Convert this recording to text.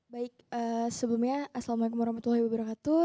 baik sebelumnya assalamu alaikum warahmatullahi wabarakatuh